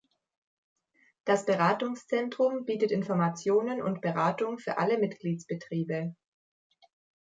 Das Beratungszentrum bietet Informationen und Beratung für alle Mitgliedsbetriebe.